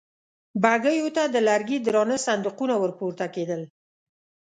بګيو ته د لرګي درانه صندوقونه ور پورته کېدل.